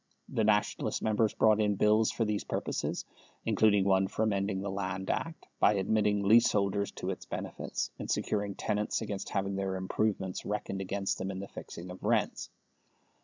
The Nationalist members brought in Bills for these purposes, including one for amending the Land Act by admitting leaseholders to its benefits and securing tenants against having their improvements reckoned against them in the fixing of rents.